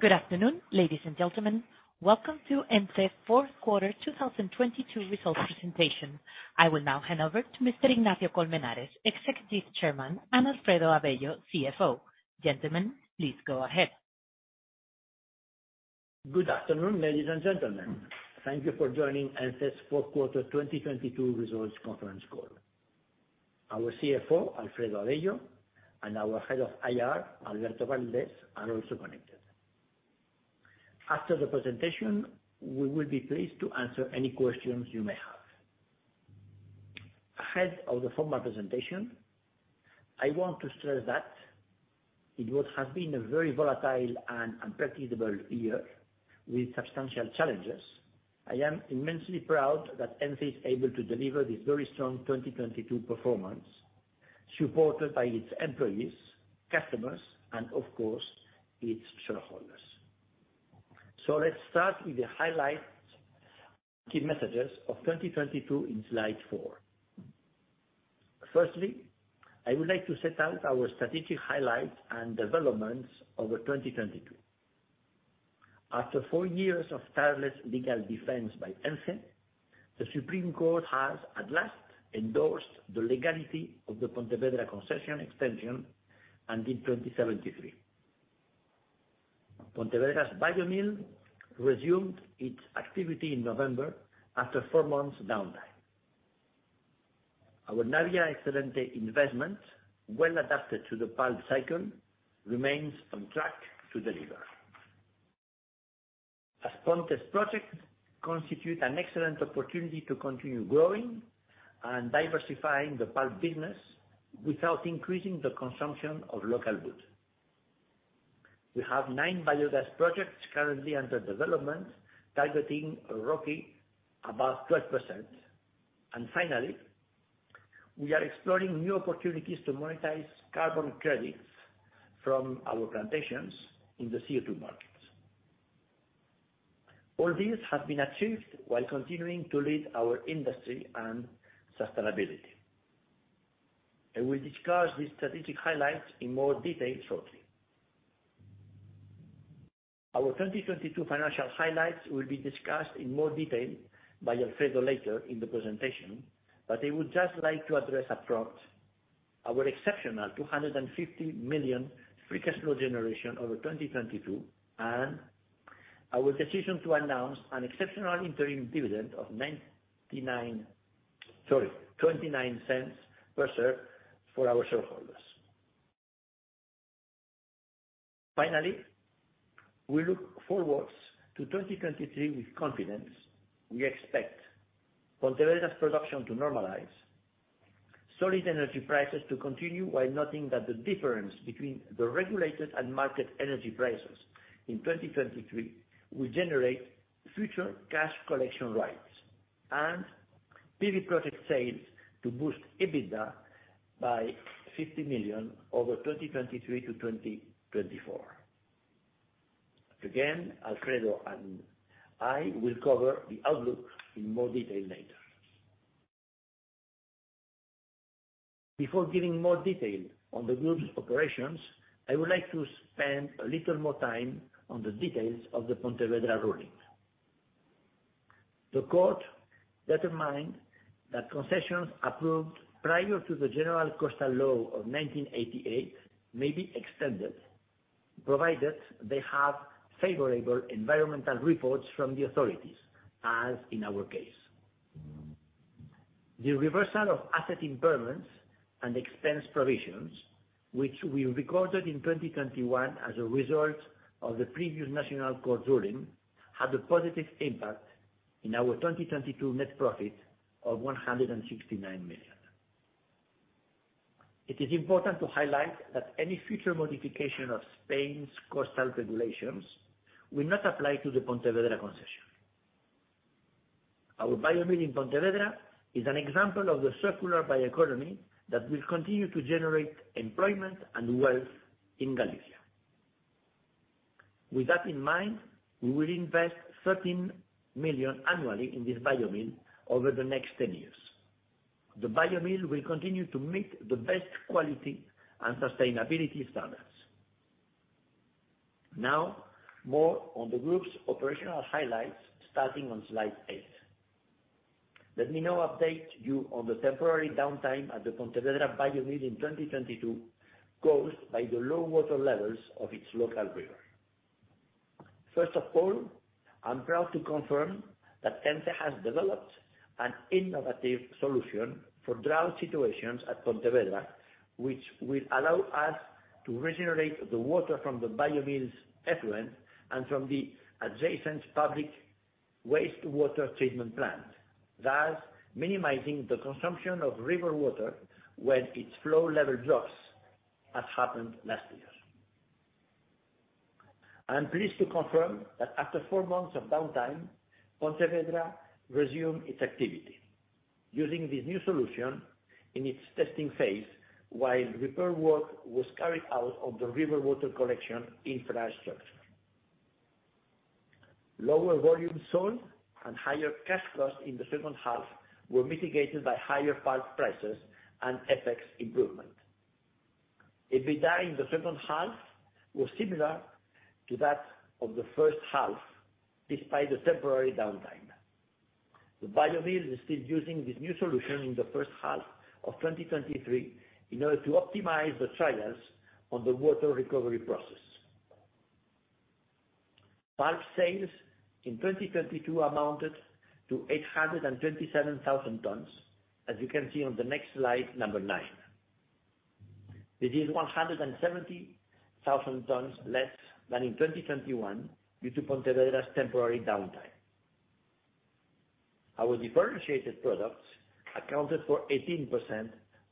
Good afternoon, ladies and gentlemen. Welcome to ENCE Fourth Quarter 2022 Results presentation. I will now hand over to Mr. Ignacio Colmenares, Executive Chairman, and Alfredo Avello, CFO. Gentlemen, please go ahead. Good afternoon, ladies and gentlemen. Thank you for joining ENCE Fourth Quarter 2022 Results Conference Call. Our CFO, Alfredo Avello, and our Head of IR, Alberto Valdes, are also connected. After the presentation, we will be pleased to answer any questions you may have. Ahead of the formal presentation, I want to stress that what has been a very volatile and unpredictable year with substantial challenges. I am immensely proud that ENCE is able to deliver this very strong 2022 performance, supported by its employees, customers, and of course, its shareholders. Let's start with the highlights key messages of 2022 in slide four. Firstly, I would like to set out our strategic highlights and developments over 2022. After four years of tireless legal defense by ENCE, the Supreme Court has at last endorsed the legality of the Pontevedra concession extension until 2073. Pontevedra's bio mill resumed its activity in November after four months downtime. Our Navia Excelente investment, well adapted to the pulp cycle, remains on track to deliver. As Pontes project constitute an excellent opportunity to continue growing and diversifying the pulp business without increasing the consumption of local wood. We have nine biogas projects currently under development, targeting a ROCE above 12%. Finally, we are exploring new opportunities to monetize carbon credits from our plantations in the CO2 markets. All this has been achieved while continuing to lead our industry and sustainability. I will discuss these strategic highlights in more detail shortly. Our 2022 financial highlights will be discussed in more detail by Alfredo later in the presentation. I would just like to address upfront our exceptional 250 million free cash flow generation over 2022, and our decision to announce an exceptional interim dividend of 0.29 per share for our shareholders. We look forwards to 2023 with confidence. We expect Pontevedra's production to normalize, solid energy prices to continue, while noting that the difference between the regulated and market energy prices in 2023 will generate future cash collection rights and PV project sales to boost EBITDA by 50 million over 2023-2024. Alfredo and I will cover the outlook in more detail later. Before giving more detail on the group's operations, I would like to spend a little more time on the details of the Pontevedra ruling. The court determined that concessions approved prior to the general Coastal Law of 1988 may be extended, provided they have favorable environmental reports from the authorities, as in our case. The reversal of asset impairments and expense provisions, which we recorded in 2021 as a result of the previous National Court ruling, had a positive impact in our 2022 net profit of 169 million. It is important to highlight that any future modification of Spain's coastal regulations will not apply to the Pontevedra concession. Our bio mill in Pontevedra is an example of the circular bioeconomy that will continue to generate employment and wealth in Galicia. With that in mind, we will invest 13 million annually in this bio mill over the next 10 years. The bio mill will continue to meet the best quality and sustainability standards. Now, more on the group's operational highlights, starting on slide eight. Let me now update you on the temporary downtime at the Pontevedra bio mill in 2022 caused by the low water levels of its local river. First of all, I'm proud to confirm that ENCE has developed an innovative solution for drought situations at Pontevedra, which will allow us to regenerate the water from the bio mill's effluent and from the adjacent public wastewater treatment plant, thus minimizing the consumption of river water when its flow level drops, as happened last year. I am pleased to confirm that after four months of downtime, Pontevedra resumed its activity using this new solution in its testing phase while repair work was carried out on the river water collection infrastructure. Lower volume sold and higher cash costs in the second half were mitigated by higher pulp prices and FX improvement. EBITDA in the second half was similar to that of the first half, despite the temporary downtime. The bio mill is still using this new solution in the first half of 2023 in order to optimize the trials on the water recovery process. Pulp sales in 2022 amounted to 827,000 tons, as you can see on the next slide, number nine. This is 170,000 tons less than in 2021 due to Pontevedra's temporary downtime. Our differentiated products accounted for 18%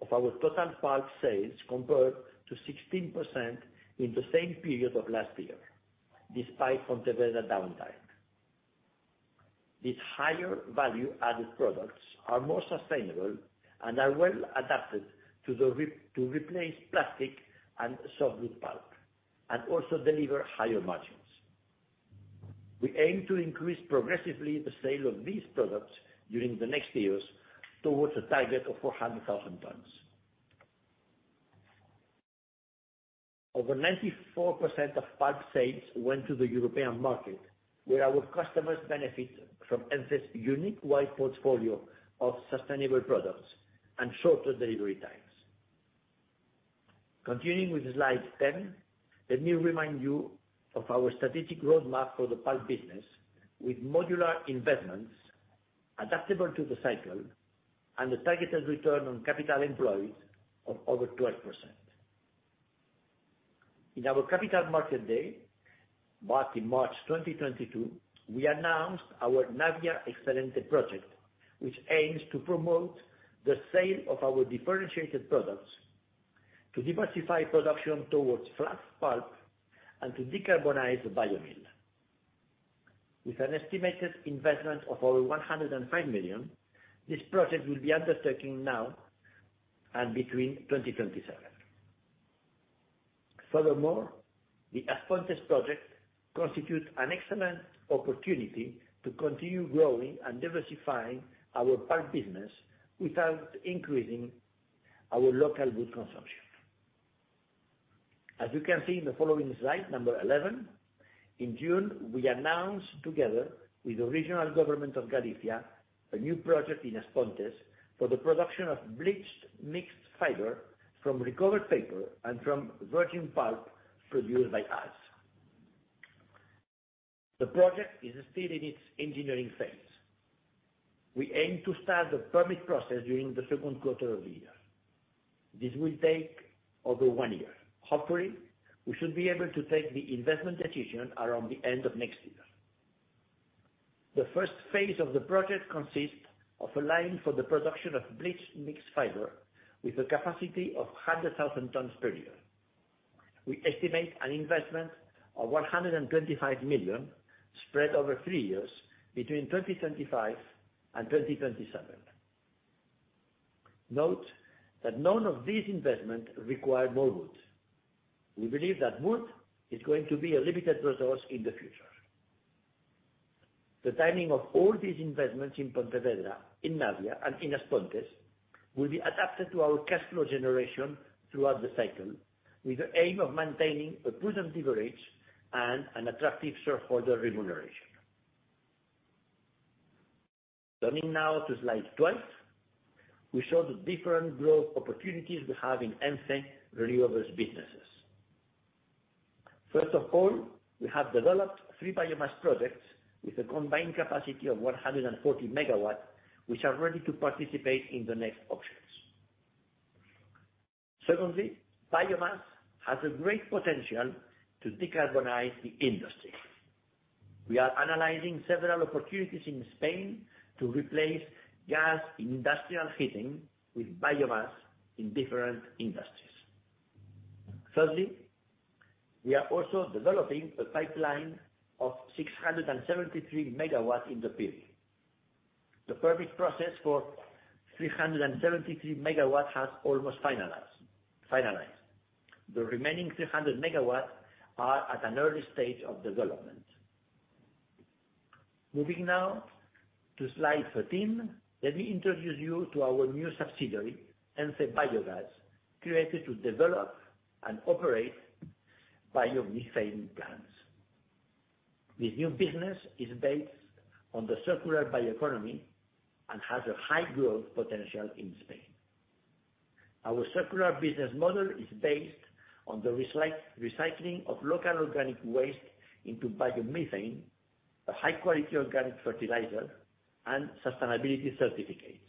of our total pulp sales, compared to 16% in the same period of last year, despite Pontevedra downtime. These higher value added products are more sustainable and are well adapted to replace plastic and softwood pulp, and also deliver higher margins. We aim to increase progressively the sale of these products during the next years towards a target of 400,000 tons. Over 94% of pulp sales went to the European market, where our customers benefit from ENCE's unique wide portfolio of sustainable products and shorter delivery times. Continuing with slide 10, let me remind you of our strategic roadmap for the pulp business with modular investments adaptable to the cycle and a targeted ROCE of over 12%. In our capital market day, back in March 2022, we announced our Navia Excelente project, which aims to promote the sale of our differentiated products, to diversify production towards fluff pulp, and to decarbonize the bio mill. With an estimated investment of over 105 million, this project will be undertaking now and between 2027. The As Pontes project constitutes an excellent opportunity to continue growing and diversifying our pulp business without increasing our local wood consumption. As you can see in the following slide, number 11, in June, we announced together with the original government of Galicia, a new project in As Pontes for the production of bleached mixed fiber from recovered paper and from virgin pulp produced by us. The project is still in its engineering phase. We aim to start the permit process during the second quarter of the year. This will take over one year. Hopefully, we should be able to take the investment decision around the end of next year. The phase I of the project consists of a line for the production of bleached mixed fiber with a capacity of 100,000 tons per year. We estimate an investment of 125 million spread over three years between 2025 and 2027. Note that none of these investment require more wood. We believe that wood is going to be a limited resource in the future. The timing of all these investments in Pontevedra, in Navia, and in As Pontes will be adapted to our cash flow generation throughout the cycle, with the aim of maintaining a prudent leverage and an attractive shareholder remuneration. Turning now to slide 12, we show the different growth opportunities we have in ENCE Renewables businesses. First of all, we have developed three biomass projects with a combined capacity of 140 MW, which are ready to participate in the next auctions. Secondly, biomass has a great potential to decarbonize the industry. We are analyzing several opportunities in Spain to replace gas in industrial heating with biomass in different industries. Thirdly, we are also developing a pipeline of 673 MW in the period. The permit process for 373 MW has almost finalized. The remaining 300 MW are at an early stage of development. Moving now to slide 13, let me introduce you to our new subsidiary, Ence Biogas, created to develop and operate biomethane plants. This new business is based on the circular bioeconomy and has a high growth potential in Spain. Our circular business model is based on the recycling of local organic waste into biomethane, a high quality organic fertilizer, and sustainability certificates.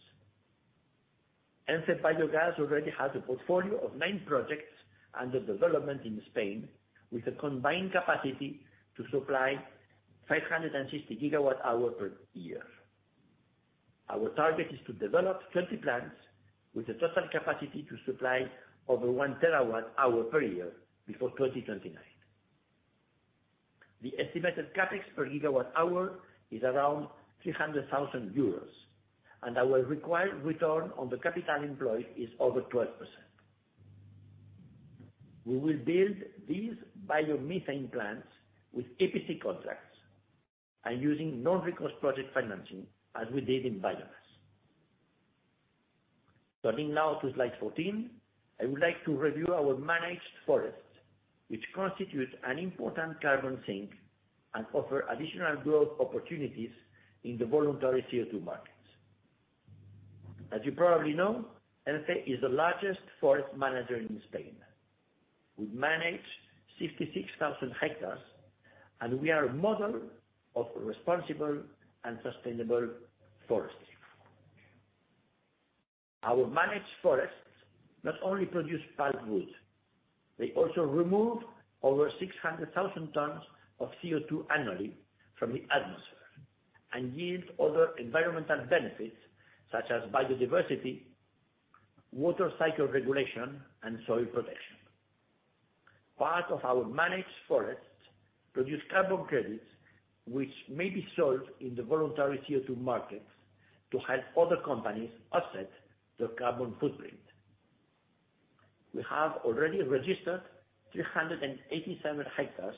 Ence Biogas already has a portfolio of nine projects under development in Spain, with a combined capacity to supply 560 GWh per year. Our target is to develop 30 plants with a total capacity to supply over 1 TWh per year before 2029. The estimated CapEx per GWh is around 300,000 euros, and our required return on the capital employed is over 12%. We will build these biomethane plants with EPC contracts and using non-recourse project financing as we did in biomass. Turning now to slide 14, I would like to review our managed forests, which constitute an important carbon sink and offer additional growth opportunities in the voluntary CO₂ markets. As you probably know, ENCE is the largest forest manager in Spain. We manage 66,000 hectares, and we are a model of responsible and sustainable forestry. Our managed forests not only produce pulpwood, they also remove over 600,000 tons of CO₂ annually from the atmosphere and yield other environmental benefits such as biodiversity, water cycle regulation, and soil protection. Part of our managed forests produce carbon credits, which may be sold in the voluntary CO₂ markets to help other companies offset their carbon footprint. We have already registered 387 hectares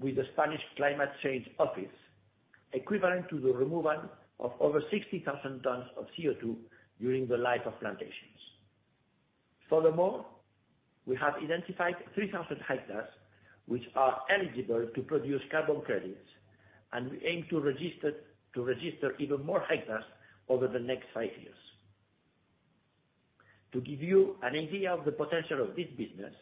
with the Spanish Climate Change Office, equivalent to the removal of over 60,000 tons of CO₂ during the life of plantations. Furthermore, we have identified 3,000 hectares which are eligible to produce carbon credits, and we aim to register even more hectares over the next five years. To give you an idea of the potential of this business,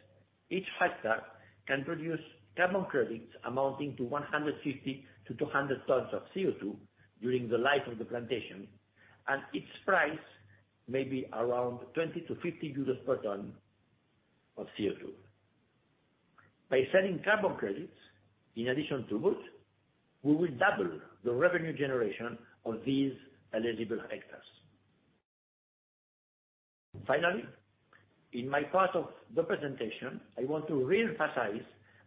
each hectare can produce carbon credits amounting to 150 tons-200 tons of CO₂ during the life of the plantation. Its price may be around 20-50 euros per ton of CO₂. By selling carbon credits in addition to wood, we will double the revenue generation of these eligible hectares. In my part of the presentation, I want to reemphasize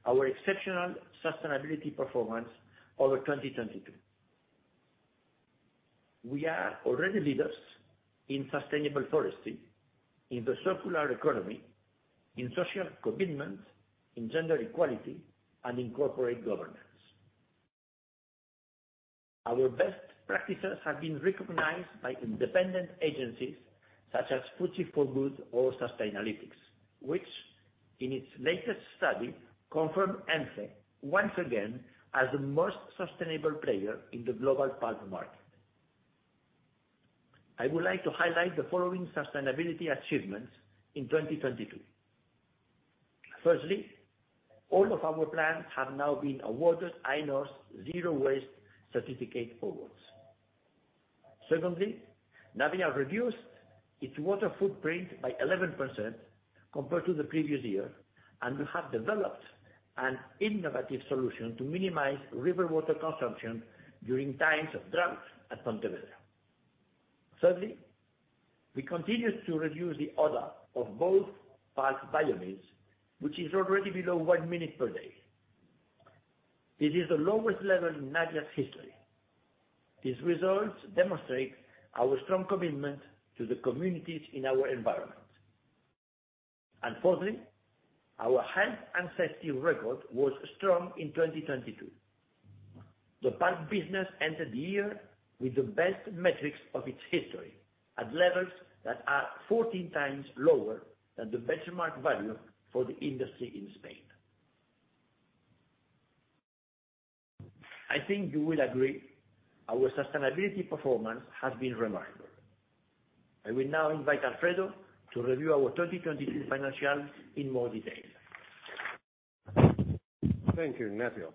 our exceptional sustainability performance over 2022. We are already leaders in sustainable forestry, in the circular economy, in social commitment, in gender equality, and in corporate governance. Our best practices have been recognized by independent agencies such as FTSE4Good or Sustainalytics, which in its latest study confirmed ENCE once again as the most sustainable player in the global pulp market. I would like to highlight the following sustainability achievements in 2022. Firstly, all of our plants have now been awarded AENOR's Zero Waste Certificate awards. Secondly, Navia reduced its water footprint by 11% compared to the previous year, and we have developed an innovative solution to minimize river water consumption during times of drought at Pontevedra. Thirdly, we continued to reduce the odor of both pulp biomass, which is already below one minute per day. It is the lowest level in Navia's history. These results demonstrate our strong commitment to the communities in our environment. Fourthly, our health and safety record was strong in 2022. The pulp business ended the year with the best metrics of its history at levels that are 14x lower than the benchmark value for the industry in Spain. I think you will agree our sustainability performance has been remarkable. I will now invite Alfredo to review our 2022 financials in more detail. Thank you, Ignacio.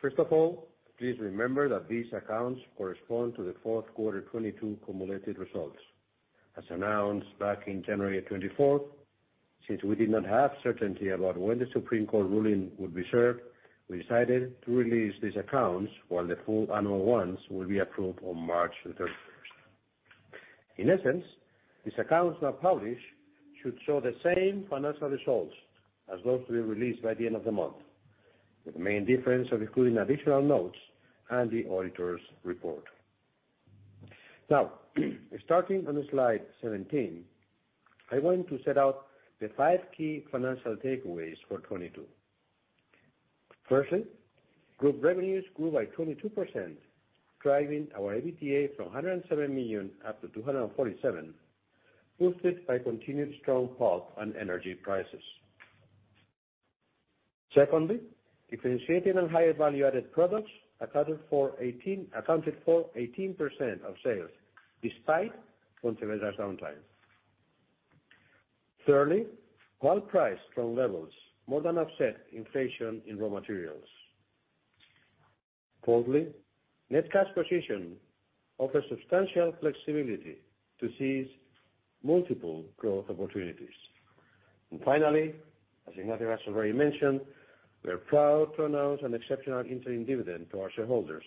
First of all, please remember that these accounts correspond to the fourth quarter 2022 cumulative results. As announced back in January 24th, since we did not have certainty about when the Supreme Court ruling would be served, we decided to release these accounts while the full annual ones will be approved on March 31st. In essence, these accounts we publish should show the same financial results as those to be released by the end of the month, with the main difference of including additional notes and the auditor's report. Now, starting on slide 17, I'm going to set out the five key financial takeaways for 2022. Firstly, group revenues grew by 22%, driving our EBITDA from 107 million up to 247 million, boosted by continued strong pulp and energy prices. Secondly, differentiated and higher value-added products accounted for 18% of sales despite Pontevedra's downtime. Thirdly, while price strong levels more than offset inflation in raw materials. Fourthly, net cash position offers substantial flexibility to seize multiple growth opportunities. Finally, as Ignacio has already mentioned, we are proud to announce an exceptional interim dividend to our shareholders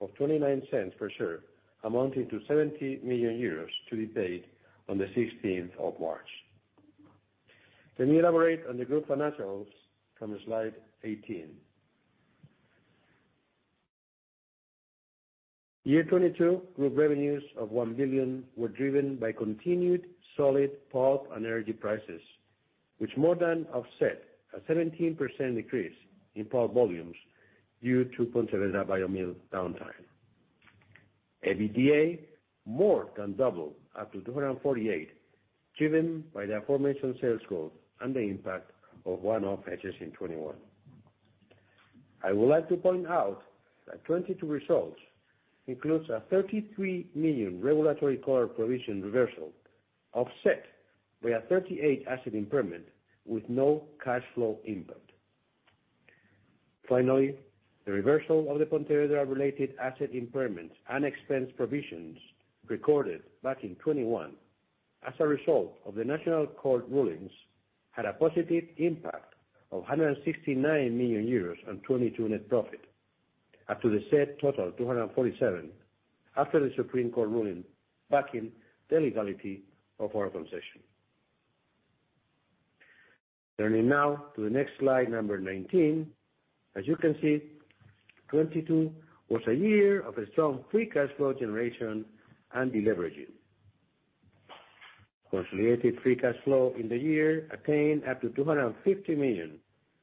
of 0.29 per share, amounting to 70 million euros to be paid on the 16th of March. Let me elaborate on the group financials from slide 18. Year 2022, group revenues of 1 billion were driven by continued solid pulp and energy prices, which more than offset a 17% decrease in pulp volumes due to Pontevedra mill downtime. EBITDA more than doubled up to 248 million, driven by the aforementioned sales growth and the impact of one-off hedges in 2021. I would like to point out that 2022 results includes a 33 million regulatory core provision reversal, offset by a 38 million asset impairment with no cash flow impact. Finally, the reversal of the Pontevedra-related asset impairments and expense provisions recorded back in 2021 as a result of the National Court rulings had a positive impact of 169 million euros on 2022 net profit, up to the said total of 247 million after the Supreme Court ruling backing the legality of our concession. Turning now to the next slide, number 19. As you can see, 2022 was a year of a strong free cash flow generation and deleveraging. Consolidated free cash flow in the year attained up to 250 million,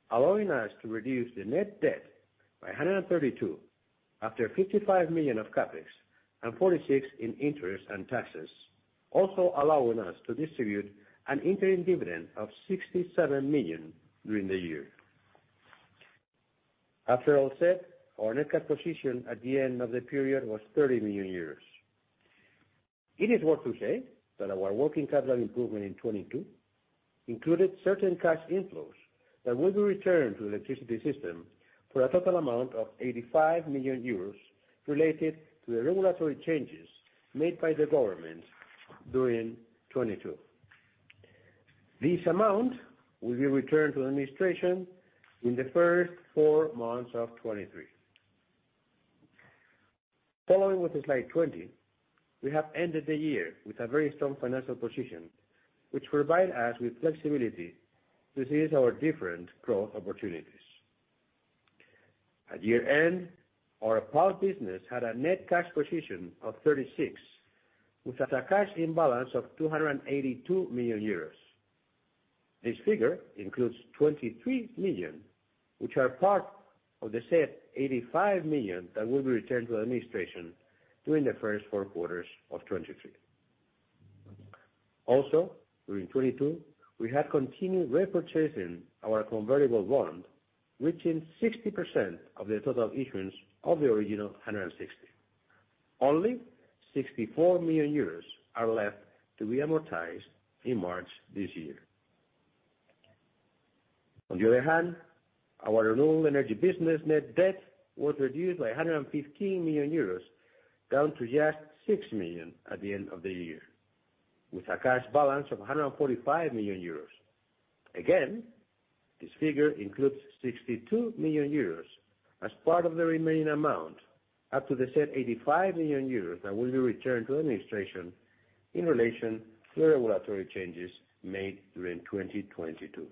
allowing us to reduce the net debt by 132 million after 55 million of CapEx and 46 million in interest and taxes, also allowing us to distribute an interim dividend of 67 million during the year. After all said, our net cash position at the end of the period was 30 million. It is worth to say that our working capital improvement in 2022 included certain cash inflows that will be returned to the electricity system for a total amount of 85 million euros related to the regulatory changes made by the government during 2022. This amount will be returned to administration in the first four months of 2023. Following with the slide 20, we have ended the year with a very strong financial position, which provide us with flexibility to seize our different growth opportunities. At year-end, our pulp business had a net cash position of 36, with a cash imbalance of 282 million euros. This figure includes 23 million, which are part of the said 85 million that will be returned to administration during the first four quarters of 2023. During 2022, we have continued repurchasing our convertible bond, reaching 60% of the total issuance of the original 160. Only 64 million euros are left to be amortized in March this year. Our renewable energy business net debt was reduced by 115 million euros, down to just 6 million at the end of the year, with a cash balance of 145 million euros. This figure includes 62 million euros as part of the remaining amount up to the said 85 million euros that will be returned to administration in relation to the regulatory changes made during 2022.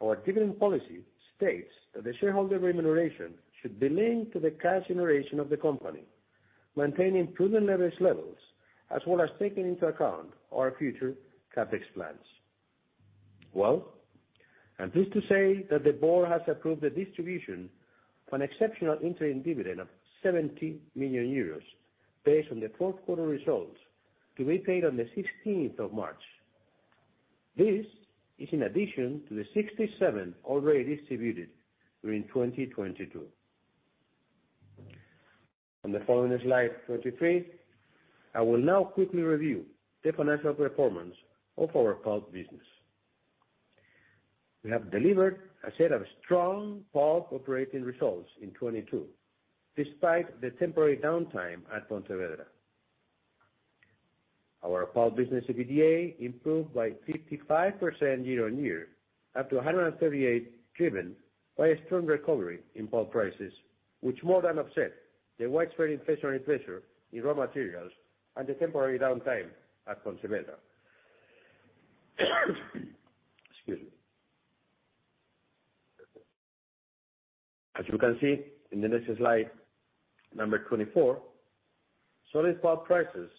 Our dividend policy states that the shareholder remuneration should be linked to the cash generation of the company, maintaining prudent leverage levels, as well as taking into account our future CapEx plans. I'm pleased to say that the board has approved the distribution of an exceptional interim dividend of 70 million euros based on the fourth quarter results to be paid on the 16th of March. This is in addition to the 67 million already distributed during 2022. On the following slide, 23, I will now quickly review the financial performance of our pulp business. We have delivered a set of strong pulp operating results in 2022, despite the temporary downtime at Pontevedra. Our pulp business EBITDA improved by 55% year-on-year up to 138 million, driven by a strong recovery in pulp prices, which more than offset the widespread inflationary pressure in raw materials and the temporary downtime at Pontevedra. Excuse me. As you can see in the next slide, number 24, solid pulp prices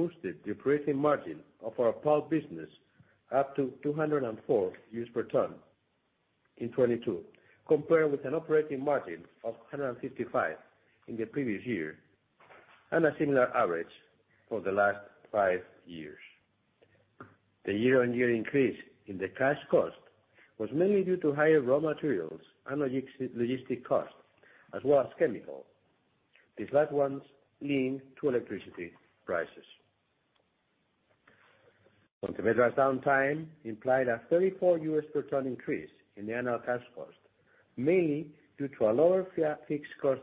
boosted the operating margin of our pulp business up to 204 per ton in 2022, compared with an operating margin of 155 in the previous year, and a similar average for the last five years. The year-on-year increase in the cash cost was mainly due to higher raw materials and logistic costs, as well as chemical. These last ones linked to electricity prices. Pontevedra's downtime implied a $34 per ton increase in the annual cash cost, mainly due to a lower fixed cost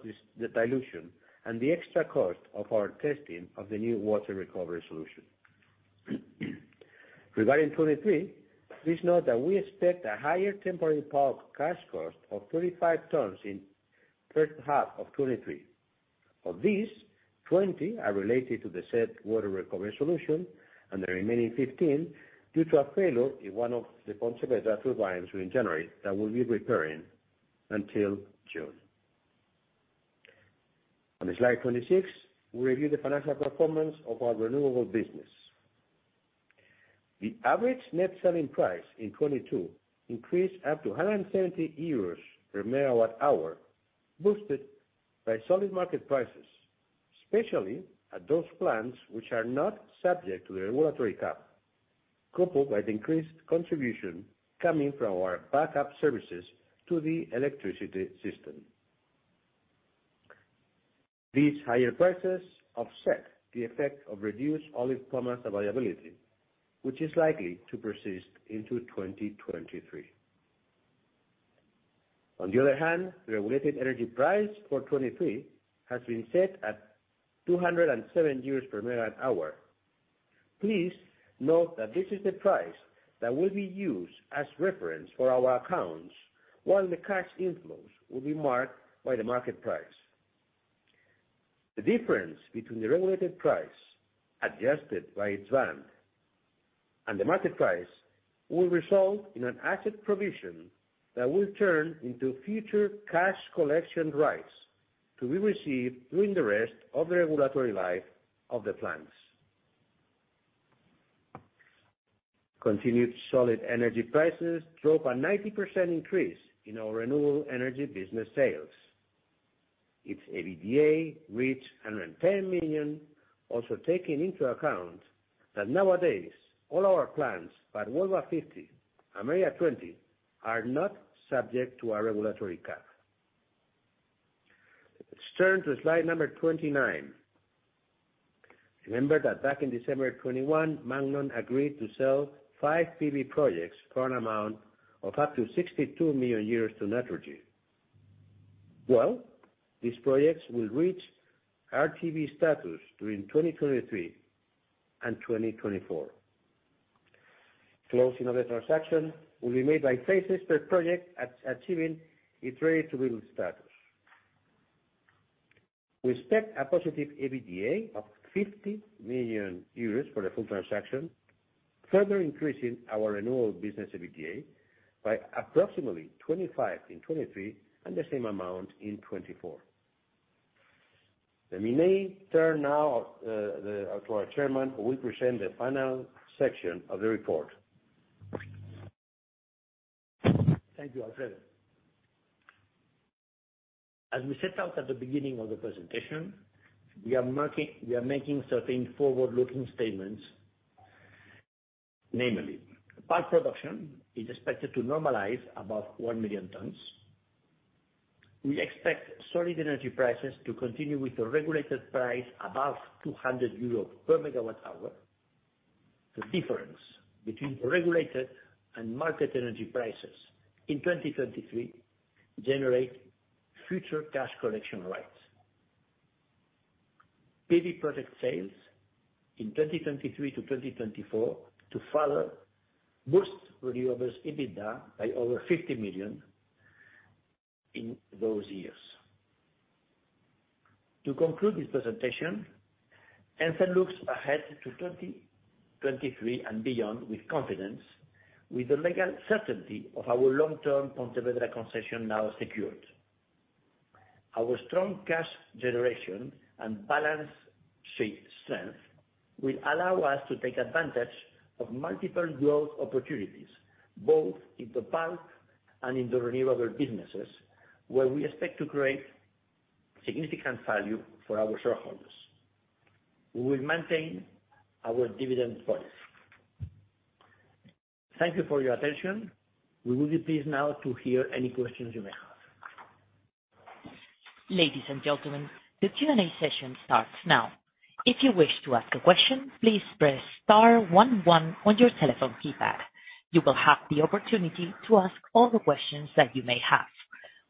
dilution and the extra cost of our testing of the new water recovery solution. Regarding 2023, please note that we expect a higher temporary pulp cash cost of 35 tons in first half of 2023. Of these, 20 are related to the said water recovery solution and the remaining 15 due to a payload in one of the Pontevedra turbines in January that we'll be repairing until June. On the slide 26, we review the financial performance of our renewable business. The average net selling price in 2022 increased up to 170 euros per MWh, boosted by solid market prices, especially at those plants which are not subject to the regulatory cap, coupled by the increased contribution coming from our backup services to the electricity system. These higher prices offset the effect of reduced olive pomace availability, which is likely to persist into 2023. The regulated energy price for 2023 has been set at 207 euros per MWh. Please note that this is the price that will be used as reference for our accounts, while the cash inflows will be marked by the market price. The difference between the regulated price, adjusted by its rand and the market price, will result in an asset provision that will turn into future cash collection rights to be received during the rest of the regulatory life of the plants. Continued solid energy prices drove a 90% increase in our renewable energy business sales. Its EBITDA reached 110 million, also taking into account that nowadays all our plants, but Huelva 50 and Mérida 20, are not subject to a regulatory cap. Let's turn to slide number 29. Remember that back in December of 2021, Magnon agreed to sell five PV projects for an amount of up to 62 million euros to Naturgy. Well, these projects will reach RTB status during 2023 and 2024. Closing of the transaction will be made by phases per project at achieving its ready-to-build status. We expect a positive EBITDA of 50 million euros for the full transaction, further increasing our renewal business EBITDA by approximately 25 in 2023 and the same amount in 2024. Let me now turn to our chairman, who will present the final section of the report. Thank you, Alfredo. As we set out at the beginning of the presentation, we are making certain forward-looking statements. Namely, pulp production is expected to normalize above 1 million tons. We expect solid energy prices to continue with a regulated price above 200 euros per MWh. The difference between regulated and market energy prices in 2023 generate future cash collection rights. PV product sales in 2023-2024 to further boost renewables' EBITDA by over 50 million in those years. To conclude this presentation, ENCE looks ahead to 2023 and beyond with confidence with the legal certainty of our long-term Pontevedra concession now secured. Our strong cash generation and balance sheet strength will allow us to take advantage of multiple growth opportunities, both in the pulp and in the renewable businesses, where we expect to create significant value for our shareholders. We will maintain our dividend policy. Thank you for your attention. We will be pleased now to hear any questions you may have. Ladies and gentlemen, the Q&A session starts now. If you wish to ask a question, please press star one one on your telephone keypad. You will have the opportunity to ask all the questions that you may have.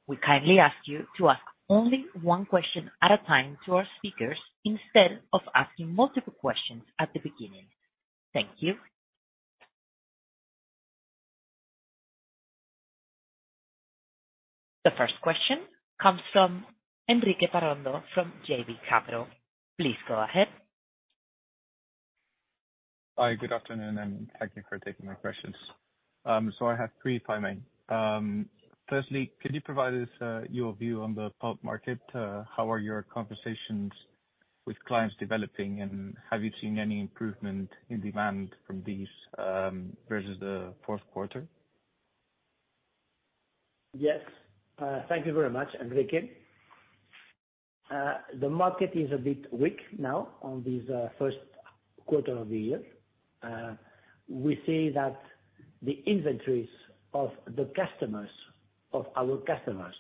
We kindly ask you to ask only one question at a time to our speakers instead of asking multiple questions at the beginning. Thank you. The first question comes from Enrique Parrondo from JB Capital. Please go ahead. Hi. Good afternoon, and thank you for taking my questions. I have three if I may. Firstly, can you provide us your view on the pulp market? How are your conversations with clients developing, and have you seen any improvement in demand from these versus the fourth quarter? Yes. Thank you very much, Enrique. The market is a bit weak now on this first quarter of the year. We see that the inventories of the customers, of our customers,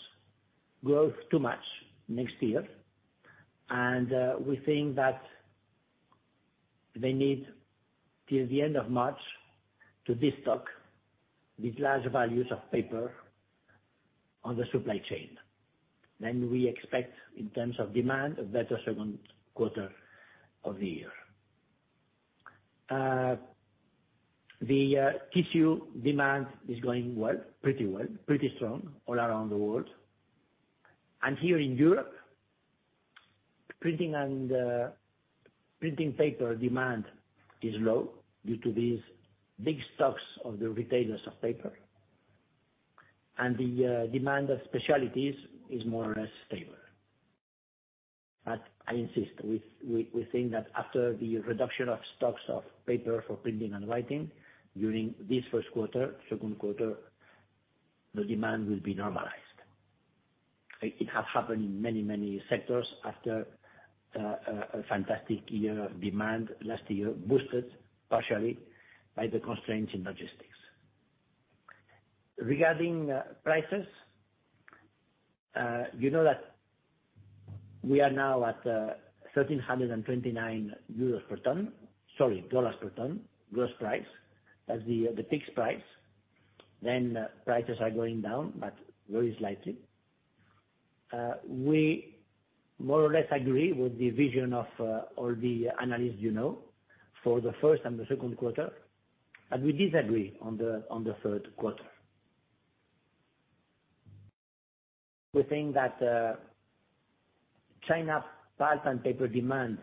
growth too much next year. We think that they need, till the end of March to de-stock these large values of paper on the supply chain. We expect, in terms of demand, a better second quarter of the year. The tissue demand is going well, pretty well, pretty strong all around the world. Here in Europe, printing paper demand is low due to these big stocks of the retailers of paper. The demand of specialties is more or less stable. I insist, we think that after the reduction of stocks of paper for printing and writing during this first quarter, second quarter, the demand will be normalized. It has happened in many sectors after a fantastic year of demand last year, boosted partially by the constraints in logistics. Regarding prices, you know that we are now at 1,329 euros per ton... Sorry, dollar per ton gross price as the fixed price. Prices are going down, but very slightly. We more or less agree with the vision of all the analysts you know for the first and the second quarter, and we disagree on the third quarter. We think that China's pulp and paper demand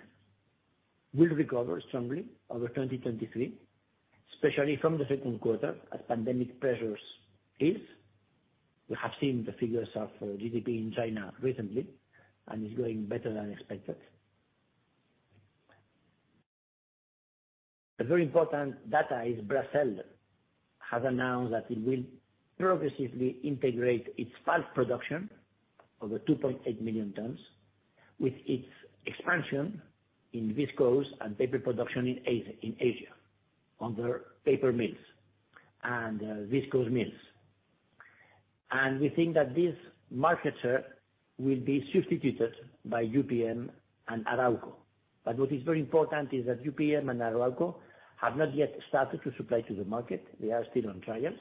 will recover strongly over 2023, especially from the second quarter as pandemic pressures ease. We have seen the figures of GDP in China recently. It's going better than expected. A very important data is Bracell has announced that it will progressively integrate its pulp production of 2.8 million tons with its expansion in viscose and paper production in Asia, on their paper mills and viscose mills. We think that this market share will be substituted by UPM and Arauco. What is very important is that UPM and Arauco have not yet started to supply to the market. They are still on trials.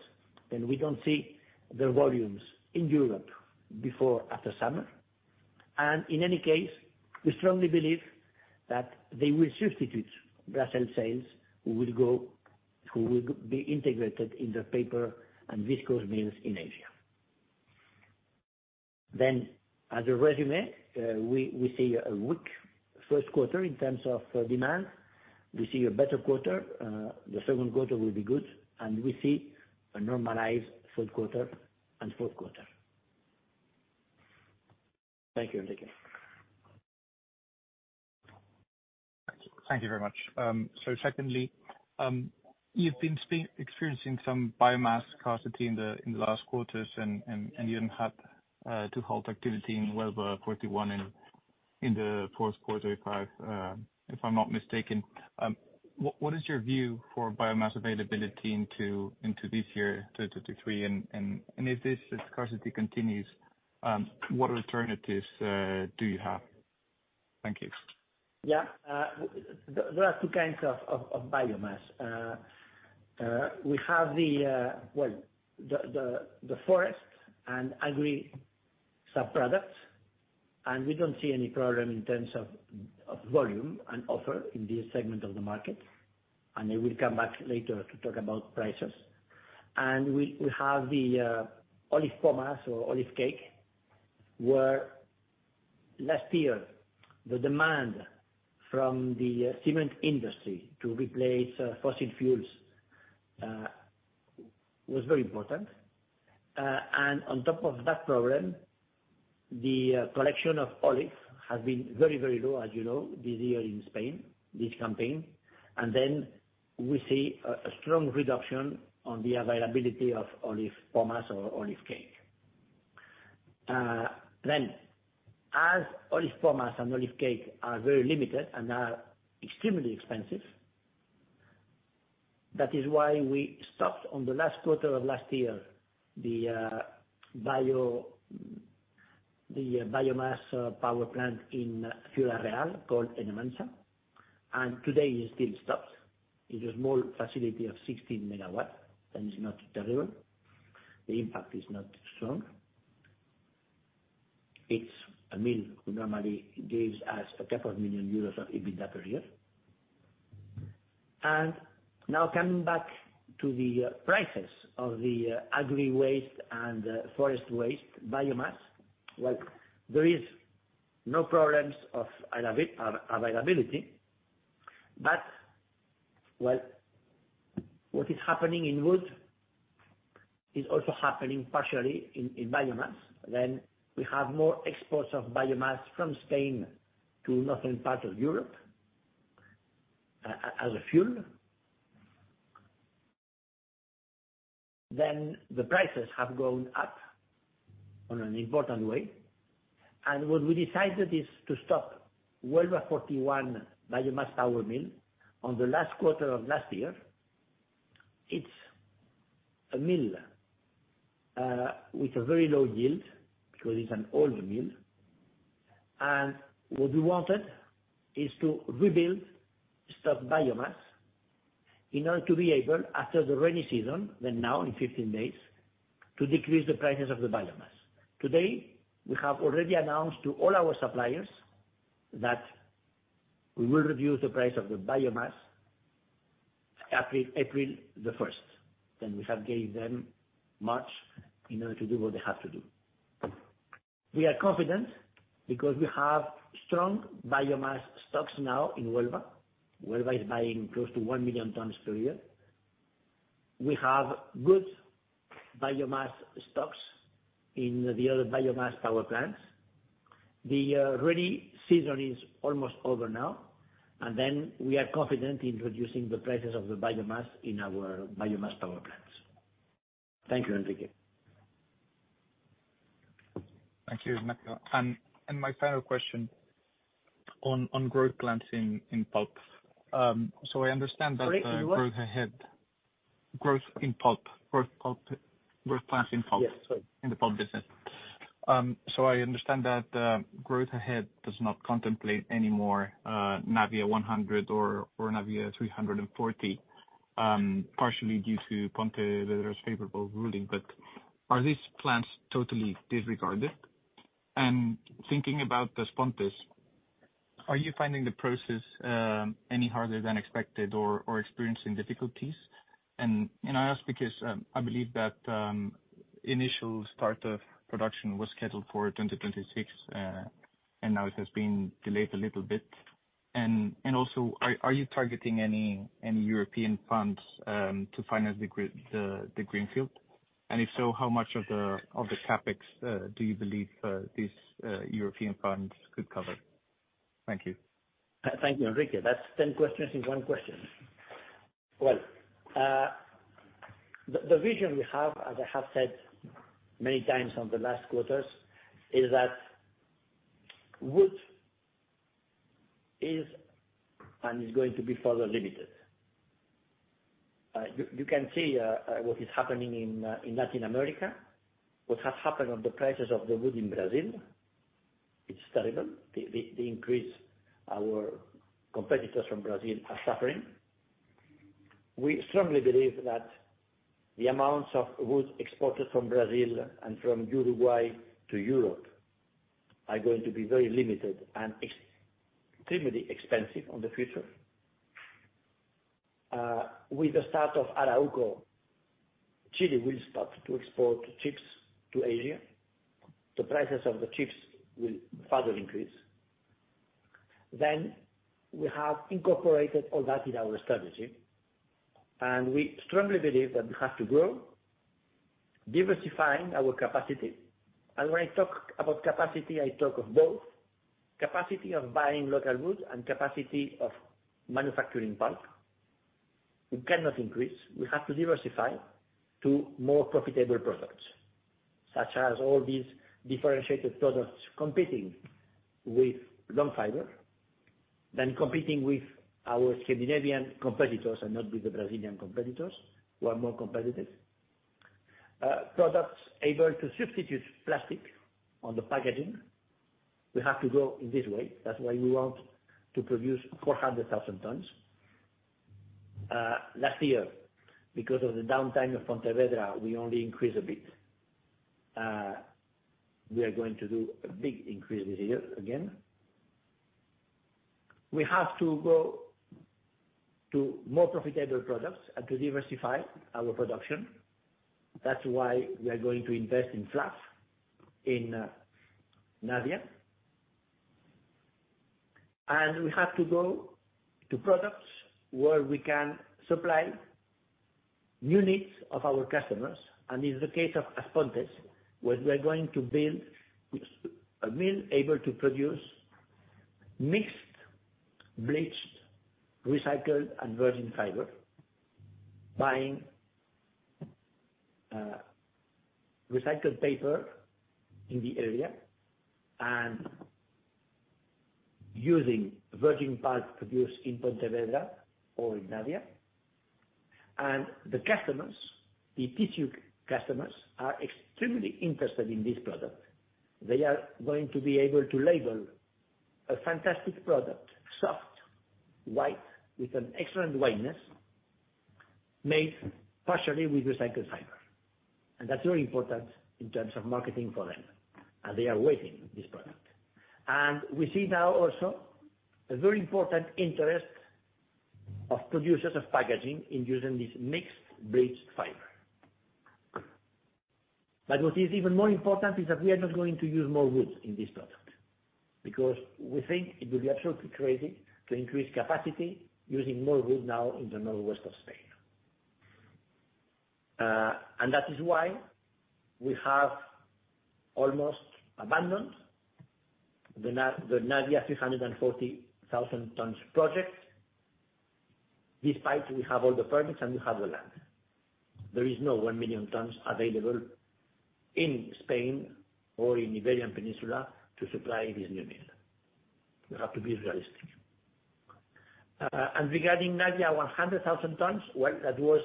We don't see their volumes in Europe before after summer. In any case, we strongly believe that they will substitute Bracell sales, who will be integrated in the paper and viscose mills in Asia. As a resume, we see a weak first quarter in terms of demand. We see a better quarter. The second quarter will be good, and we see a normalized third quarter and fourth quarter. Thank you, Enrique. Thank you very much. Secondly, you've been experiencing some biomass scarcity in the last quarters and even had to halt activity in Huelva 41 in the fourth quarter if I'm not mistaken. What is your view for biomass availability into this year, into 2023, and if this scarcity continues, what alternatives do you have? Thank you. Yeah, lots of kinds of biomass. We have the forest and agri subproducts, and we don't see any problem in terms of volume and offer in this segment of the market, and I will come back later to talk about prices. We have the olive pomace or olive cake, where last year the demand from the cement industry to replace fossil fuels was very important. On top of that problem, the collection of olive has been very, very low, as you know, this year in Spain, this campaign. Then we see a strong reduction on the availability of olive pomace or olive cake As olive pomace and olive cake are very limited and are extremely expensive, that is why we stopped on the last quarter of last year, the biomass power plant in Figueruelas called Enemansa, and today it's still stopped. It's a small facility of 16 MW, it's not terrible. The impact is not strong. It's a mill who normally gives us a couple of million euros of EBITDA per year. Now coming back to the prices of the agri-waste and forest waste biomass. Well, there is no problems of availability, well, what is happening in wood is also happening partially in biomass. We have more exports of biomass from Spain to northern part of Europe as a fuel. The prices have gone up on an important way. What we decided is to stop Huelva 41 biomass power mill on the last quarter of last year. It's a mill with a very low yield because it's an older mill. What we wanted is to rebuild stock biomass in order to be able, after the rainy season, to decrease the prices of the biomass. Today, we have already announced to all our suppliers that we will review the price of the biomass after April 1st. We have gave them much in order to do what they have to do. We are confident because we have strong biomass stocks now in Huelva. Huelva is buying close to 1 million tons per year. We have good biomass stocks in the other biomass power plants. The ready season is almost over now, and then we are confident in reducing the prices of the biomass in our biomass power plants. Thank you, Enrique. Thank you, Ignacio. My final question on growth plans in pulp. I understand that growth ahead. Sorry, say what? Growth in pulp. Growth pulp, growth plans in pulp. Yes, sorry. In the pulp business. I understand that growth ahead does not contemplate any more Navia 100 or Navia 340, partially due to Pontevedra's favorable ruling, but are these plans totally disregarded? Thinking about As Pontes, are you finding the process any harder than expected or experiencing difficulties? I ask because, I believe that initial start of production was scheduled for 2026, and now it has been delayed a little bit. Also, are you targeting any European funds to finance the greenfield? If so, how much of the CapEx do you believe these European funds could cover? Thank you. Thank you, Enrique. That's 10 questions in one question. Well, the vision we have, as I have said many times on the last quarters, is that wood is and is going to be further limited. You can see what is happening in Latin America, what has happened on the prices of the wood in Brazil. It's terrible. The increase our competitors from Brazil are suffering. We strongly believe that the amounts of wood exported from Brazil and from Uruguay to Europe are going to be very limited and extremely expensive on the future. With the start of Arauco, Chile will start to export chips to Asia. The prices of the chips will further increase. We have incorporated all that in our strategy. We strongly believe that we have to grow, diversifying our capacity. When I talk about capacity, I talk of both capacity of buying local wood and capacity of manufacturing pulp. We cannot increase. We have to diversify to more profitable products, such as all these differentiated products competing with long fiber, than competing with our Scandinavian competitors and not with the Brazilian competitors, who are more competitive. Products able to substitute plastic on the packaging, we have to grow in this way. That's why we want to produce 400,000 tons. Last year, because of the downtime of Pontevedra, we only increased a bit. We are going to do a big increase this year again. We have to go to more profitable products and to diversify our production. That's why we are going to invest in fluff in Navia. We have to go to products where we can supply new needs of our customers. In the case of As Pontes, where we are going to build, a mill able to produce mixed bleached recycled and virgin fiber, buying, recycled paper in the area and using virgin pulp produced in Pontevedra or in Navia. The customers, the tissue customers, are extremely interested in this product. They are going to be able to label a fantastic product, soft, white, with an excellent whiteness, made partially with recycled fiber. That's very important in terms of marketing for them, and they are waiting this product. We see now also a very important interest of producers of packaging in using this mixed bleached fiber. What is even more important is that we are not going to use more wood in this product, because we think it would be absolutely crazy to increase capacity using more wood now in the northwest of Spain. That is why we have almost abandoned the Navia 340,000 tons project, despite we have all the permits and we have the land. There is no 1 million tons available in Spain or in Iberian Peninsula to supply this new mill. We have to be realistic. Regarding Navia 100,000 tons, well, that was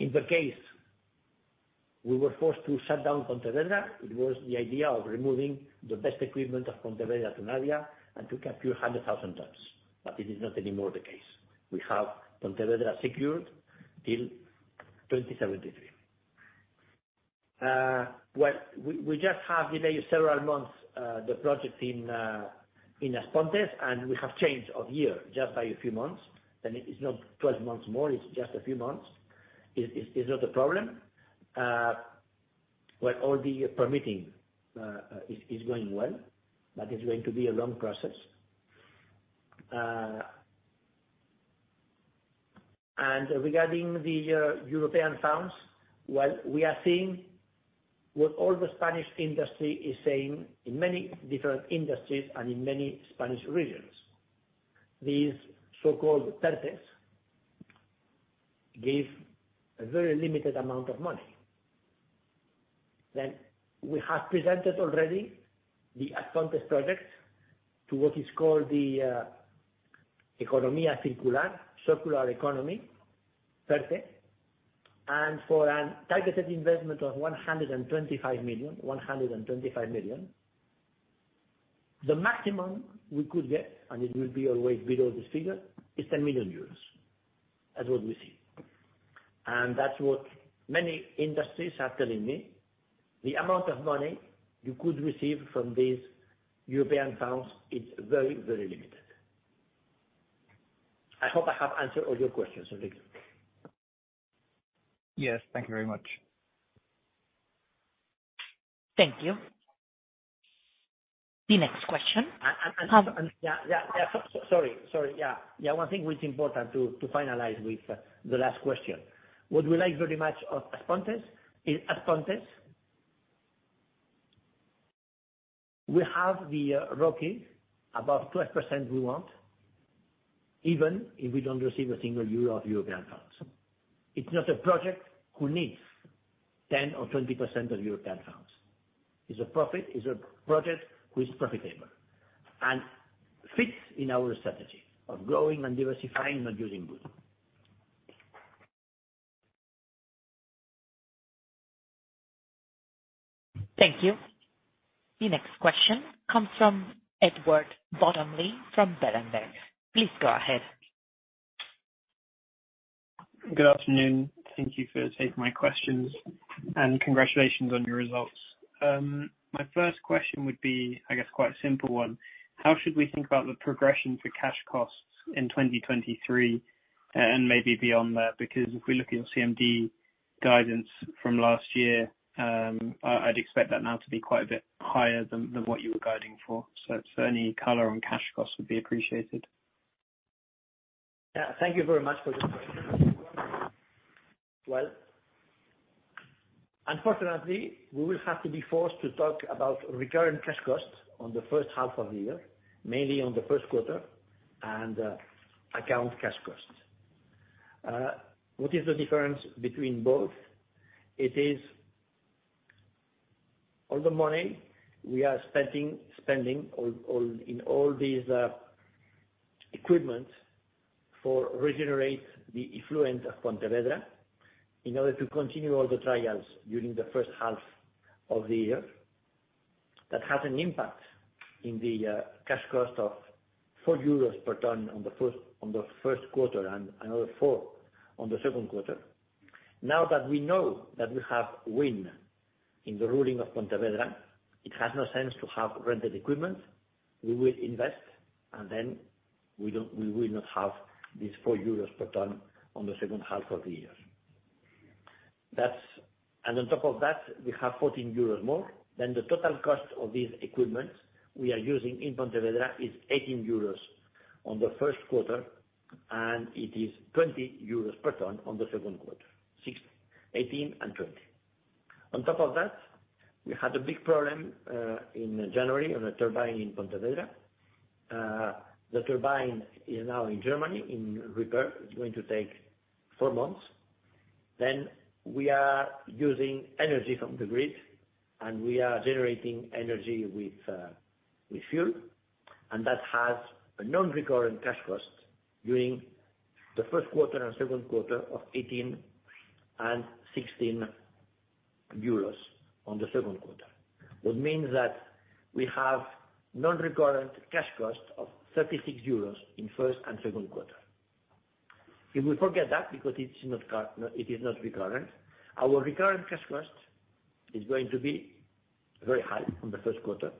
in the case we were forced to shut down Pontevedra. It was the idea of removing the best equipment of Pontevedra to Navia and took a few hundred thousand tons. It is not anymore the case. We have Pontevedra secured till 2073. Well, we just have delayed several months, the project in As Pontes, and we have changed of year just by a few months, and it's not 12 months more, it's just a few months. It's not a problem. Well, all the permitting is going well, but it's going to be a long process. Regarding the European funds, well, we are seeing what all the Spanish industry is saying in many different industries and in many Spanish regions. These so-called PERTEs give a very limited amount of money. We have presented already the As Pontes project to what is called the Economía Circular, Circular Economy, PERTE. For an targeted investment of 125 million, the maximum we could get, and it will be always below this figure, is 10 million euros. That's what we see. That's what many industries are telling me. The amount of money you could receive from these European funds is very, very limited. I hope I have answered all your questions, Enrique. Yes. Thank you very much. Thank you. The next question- Sorry. Yeah, one thing which important to finalize with the last question. What we like very much of As Pontes, in As Pontes, we have the ROCE above 12% we want, even if we don't receive a single euro of European funds. It's not a project who needs 10% or 20% of European funds. It's a project who is profitable and fits in our strategy of growing and diversifying and using wood. Thank you. The next question comes from Edward Bottomley from Berenberg. Please go ahead. Good afternoon. Thank you for taking my questions. Congratulations on your results. My first question would be, I guess, quite a simple one. How should we think about the progression for cash costs in 2023 and maybe beyond that? If we look at your CMD guidance from last year, I'd expect that now to be quite a bit higher than what you were guiding for. Any color on cash costs would be appreciated. Thank you very much for this question. Well, unfortunately, we will have to be forced to talk about recurrent cash costs on the first half of the year, mainly on the first quarter, and account cash costs. What is the difference between both? It is all the money we are spending all, in all these equipment for regenerate the effluent of Pontevedra in order to continue all the trials during the first half of the year. That has an impact in the cash cost of 4 euros per ton on the first, on the first quarter and another 4 on the second quarter. Now that we know that we have win in the ruling of Pontevedra, it has no sense to have rented equipment. We will invest, we will not have these 4 euros per ton on the second half of the year. On top of that, we have 14 euros more. The total cost of these equipment we are using in Pontevedra is 18 euros on the first quarter, and it is 20 euros per ton on the second quarter. EUR 6, 18 and 20. On top of that, we had a big problem in January on a turbine in Pontevedra. The turbine is now in Germany in repair. It's going to take four months. We are using energy from the grid, and we are generating energy with fuel, and that has a non-recurrent cash cost during the first quarter and second quarter of 18 and 16 euros on the second quarter. What means that we have non-recurrent cash costs of 36 euros in first and second quarter. If we forget that because it is not recurrent, our recurrent cash cost is going to be very high on the first quarter.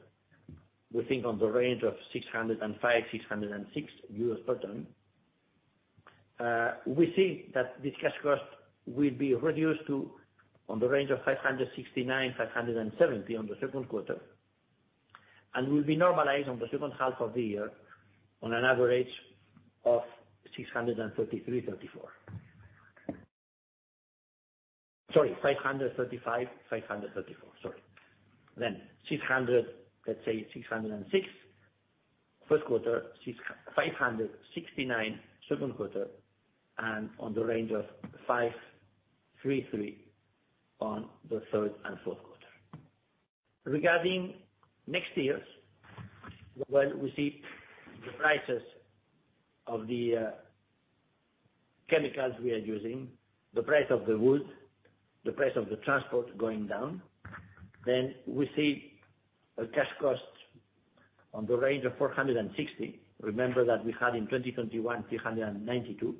We think on the range of 605-606 euros per ton. We think that this cash cost will be reduced to on the range of 569-570 on the second quarter, and will be normalized on the second half of the year on an average of 633-634. Sorry, 535-534. Sorry. 600, let's say 606 first quarter, 569 second quarter, and on the range of 533 on the third and fourth quarter. Regarding next year's, well, we see the prices of the chemicals we are using, the price of the wood, the price of the transport going down. We see a cash cost on the range of 460. Remember that we had in 2021, 392.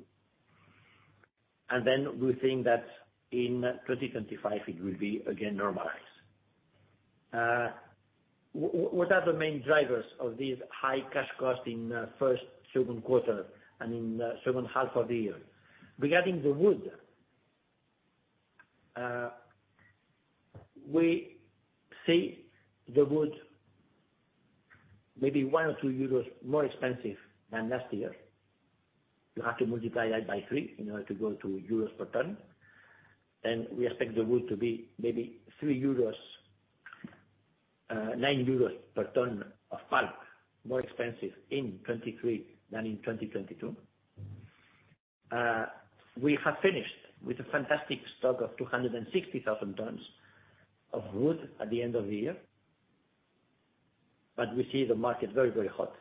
We think that in 2025 it will be again normalized. What are the main drivers of these high cash costs in first, second quarter and in the second half of the year? Regarding the wood, we see the wood maybe 1 or 2 euros more expensive than last year. You have to multiply that by three in order to go to euros per ton. We expect the wood to be maybe 3 euros, 9 euros per ton of pulp, more expensive in 2023 than in 2022. We have finished with a fantastic stock of 260,000 tons of wood at the end of the year, but we see the market very, very hot.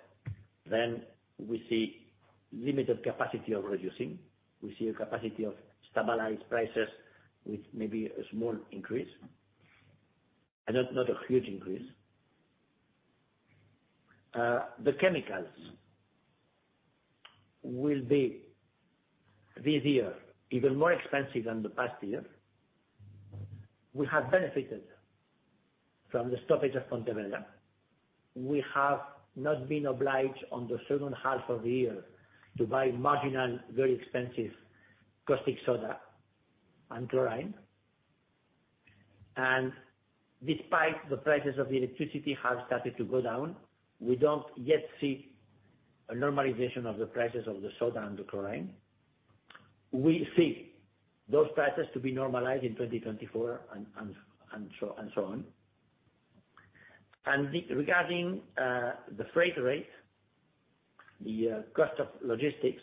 We see limited capacity of reducing, we see a capacity of stabilized prices with maybe a small increase, not a huge increase. The chemicals will be, this year, even more expensive than the past year. We have benefited from the stoppage of Pontevedra. We have not been obliged on the second half of the year to buy marginal, very expensive caustic soda and chlorine. Despite the prices of electricity have started to go down, we don't yet see a normalization of the prices of the soda and the chlorine. We see those prices to be normalized in 2024 and so on. Regarding the freight rate, the cost of logistics,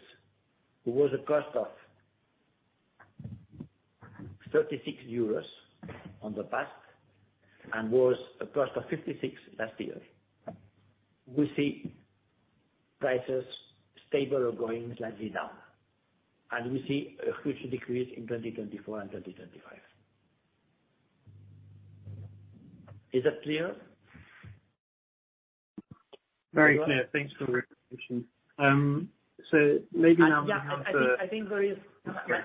it was a cost of 36 euros on the past and was a cost of 56 last year. We see prices stable or going slightly down, and we see a huge decrease in 2024 and 2025. Is that clear? Very clear. Thanks for the recognition. maybe now. Yeah, I think there is...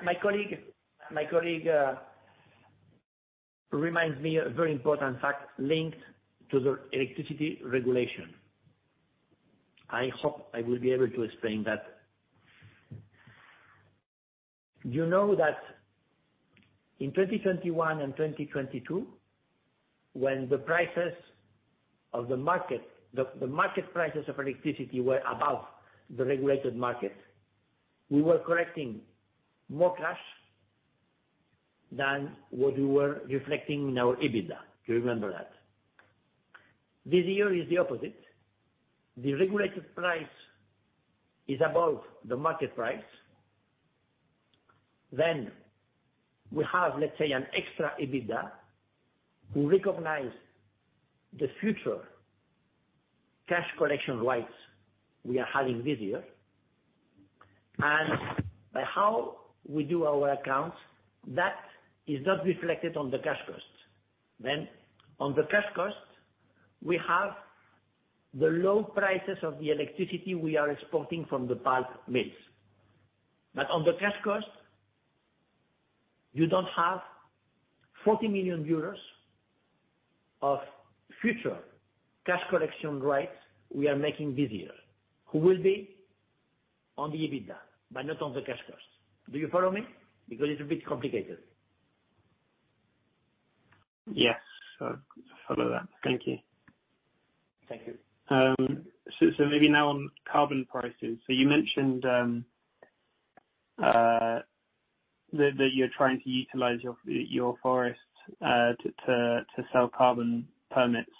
My colleague reminds me a very important fact linked to the electricity regulation. I hope I will be able to explain that. You know that in 2021 and 2022, when the prices of the market, the market prices of electricity were above the regulated market, we were collecting more cash than what we were reflecting in our EBITDA. Do you remember that? This year is the opposite. The regulated price is above the market price. We have, let's say, an extra EBITDA to recognize the future cash collection rights we are having this year. By how we do our accounts, that is not reflected on the cash costs. On the cash costs, we have the low prices of the electricity we are exporting from the pulp mills. On the cash costs, you don't have 40 million of future cash collection rights we are making this year. Who will be on the EBITDA, but not on the cash costs. Do you follow me? It's a bit complicated. Yes, I follow that. Thank you. Thank you. Maybe now on carbon prices. You mentioned that you're trying to utilize your forest to sell carbon permits.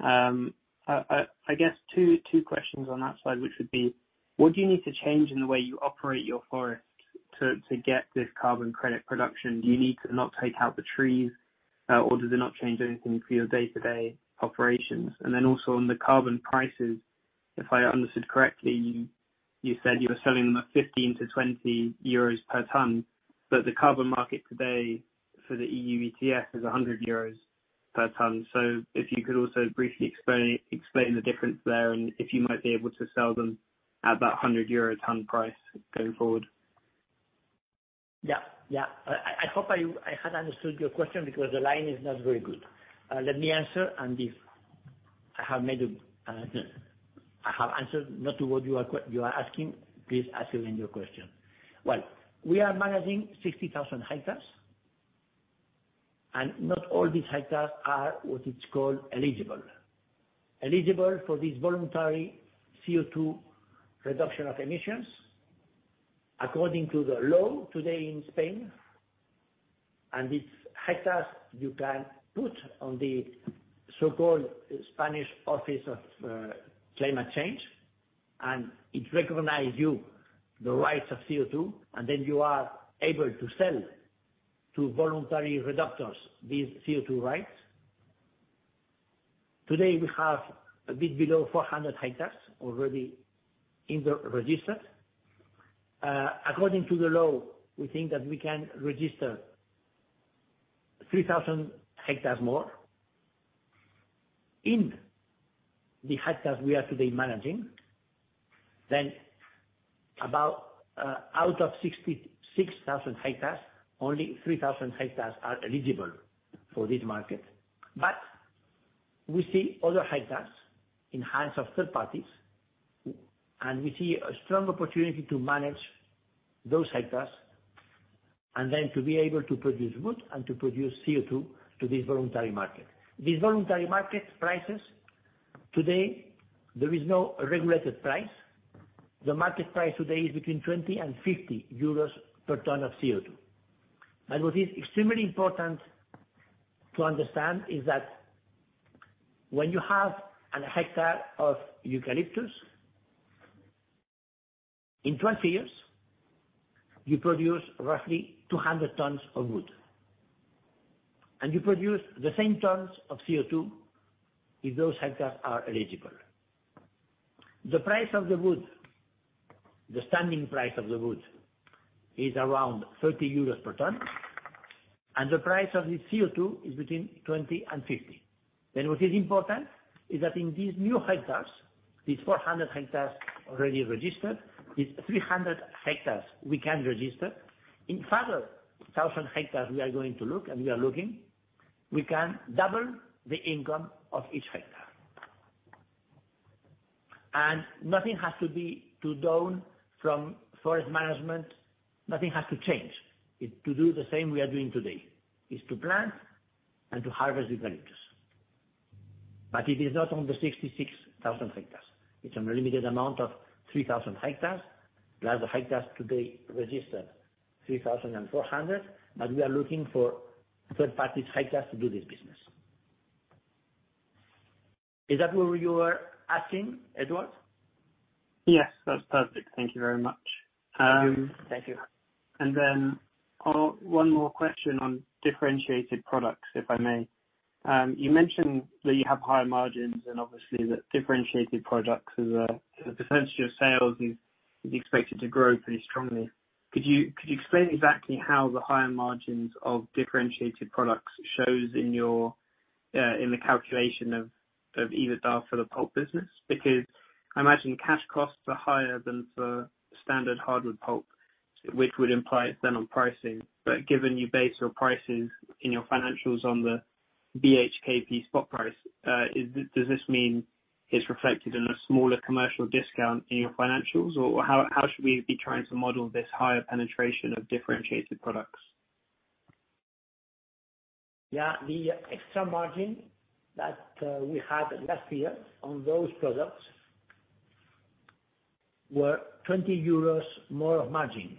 I guess two questions on that slide, which would be: What do you need to change in the way you operate your forest to get this carbon credit production? Do you need to not take out the trees, or does it not change anything for your day-to-day operations? Also on the carbon prices, if I understood correctly, you said you were selling them at 15-20 euros per ton. The carbon market today for the EU ETS is 100 euros per ton. If you could also briefly explain the difference there and if you might be able to sell them at that 100 euro ton price going forward? I hope I had understood your question because the line is not very good. Let me answer and if I have made a, I have answered not to what you are asking, please ask again your question. We are managing 60,000 hectares. Not all these hectares are what it's called eligible. Eligible for this voluntary CO2 reduction of emissions according to the law today in Spain. These hectares you can put on the so-called Spanish Office of Climate Change, and it recognize you the rights of CO2, and then you are able to sell to voluntary reductors these CO2 rights. Today, we have a bit below 400 hectares already in the registers. According to the law, we think that we can register 3,000 hectares more. In the hectares we are today managing, then about, out of 66,000 hectares, only 3,000 hectares are eligible for this market. We see other hectares in hands of third parties, and we see a strong opportunity to manage those hectares, and then to be able to produce wood and to produce CO2 to this voluntary market. These voluntary market prices, today, there is no regulated price. The market price today is between 20 and 50 euros per ton of CO2. What is extremely important to understand is that when you have an hectare of eucalyptus, in 20 years, you produce roughly 200 tons of wood, and you produce the same tons of CO2 if those hectares are eligible. The price of the wood, the standing price of the wood is around 30 euros per ton, the price of the CO2 is between 20 and 50. What is important is that in these new hectares, these 400 hectares already registered, these 300 hectares we can register, in further 1,000 hectares we are going to look, and we are looking, we can double the income of each hectare. Nothing has to be to down from forest management. Nothing has to change. It's to do the same we are doing today, is to plant and to harvest the eucalyptus. It is not on the 66,000 hectares. It's on a limited amount of 3,000 hectares. We have the hectares today registered, 3,400, but we are looking for third parties' hectares to do this business. Is that what you were asking, Edward? Yes, that's perfect. Thank you very much. Thank you. Then, one more question on differentiated products, if I may. You mentioned that you have higher margins and obviously the differentiated products as a percentage of sales is expected to grow pretty strongly. Could you explain exactly how the higher margins of differentiated products shows in your in the calculation of EBITDA for the pulp business? Because I imagine cash costs are higher than for standard hardwood pulp, which would imply it's then on pricing. Given you base your prices in your financials on the BHKP spot price, does this mean it's reflected in a smaller commercial discount in your financials? Or how should we be trying to model this higher penetration of differentiated products? Yeah. The extra margin that we had last year on those products were 20 euros more of margin.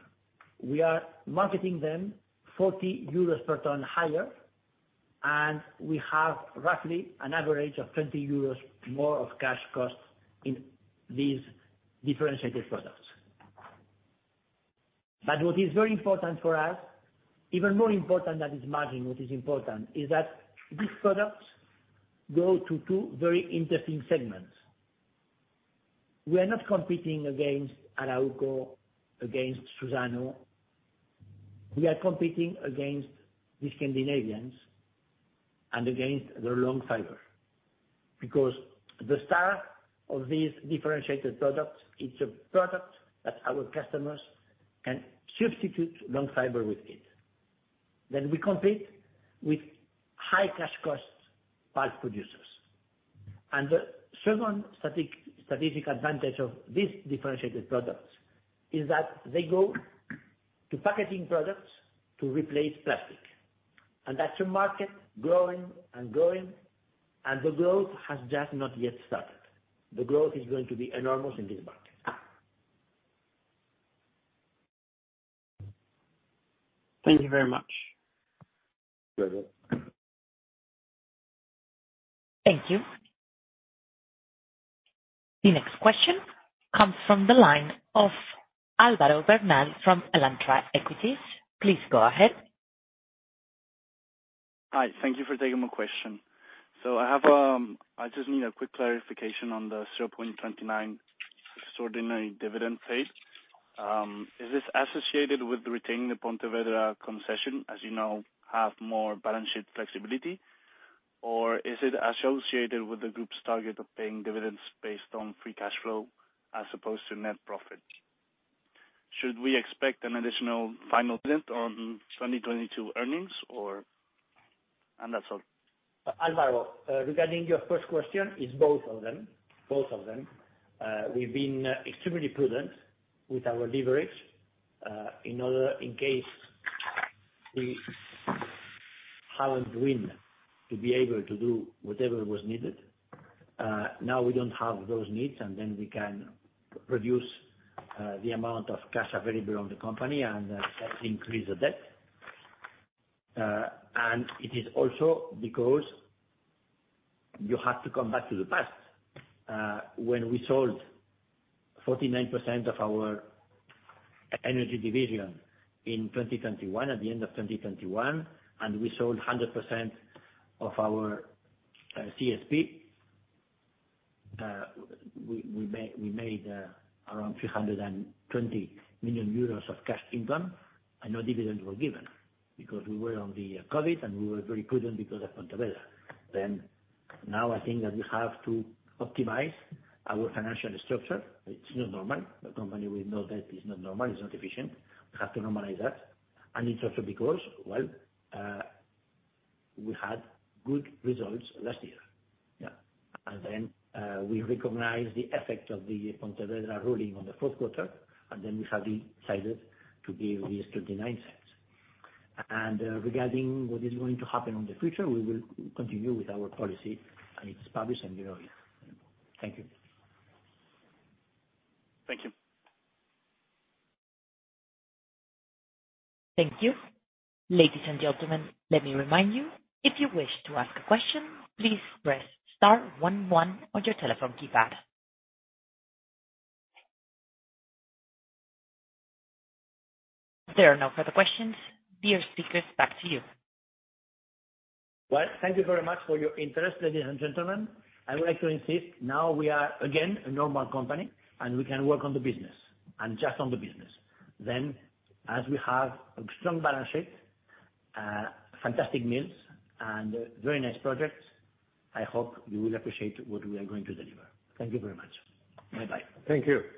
We are marketing them 40 euros per ton higher, we have roughly an average of 20 euros more of cash costs in these differentiated products. What is very important for us, even more important than this margin, what is important is that these products go to two very interesting segments. We are not competing against Arauco, against Suzano. We are competing against these Scandinavians and against their long fiber, because the star of these differentiated products, it's a product that our customers can substitute long fiber with it. We compete with high cash costs pulp producers. The second statistical advantage of these differentiated products is that they go to packaging products to replace plastic. That's a market growing and growing, and the growth has just not yet started. The growth is going to be enormous in this market. Thank you very much. You're welcome. Thank you. The next question comes from the line of Alvaro Bernal from Alantra Equities. Please go ahead. Hi. Thank you for taking my question. I just need a quick clarification on the 0.29 extraordinary dividend paid. Is this associated with retaining the Pontevedra concession, as you now have more balance sheet flexibility? Is it associated with the group's target of paying dividends based on free cash flow as opposed to net profit? Should we expect an additional final dividend on 2022 earnings or? That's all. Alvaro, regarding your first question, it's both of them. Both of them. We've been extremely prudent with our leverage, in order in case we have a wind to be able to do whatever was needed. Now we don't have those needs, we can reduce the amount of cash available on the company and start to increase the debt. It is also because you have to come back to the past, when we sold 49% of our energy division in 2021, at the end of 2021, and we sold 100% of our CSP. We made around 320 million euros of cash income, and no dividends were given because we were on the COVID and we were very prudent because of Pontevedra. Now I think that we have to optimize our financial structure. It's not normal. A company with no debt is not normal, it's not efficient. We have to normalize that. It's also because, well, we had good results last year. We recognize the effect of the Pontevedra ruling on the fourth quarter. We have decided to give these EUR 0.29. Regarding what is going to happen in the future, we will continue with our policy, and it's published and you know it. Thank you. Thank you. Thank you. Ladies and gentlemen, let me remind you, if you wish to ask a question, please press star one one on your telephone keypad. If there are no further questions, dear speakers, back to you. Well, thank you very much for your interest, ladies and gentlemen. I would like to insist, now we are again a normal company, and we can work on the business and just on the business. As we have a strong balance sheet, fantastic mills, and very nice projects, I hope you will appreciate what we are going to deliver. Thank you very much. Bye-bye. Thank you.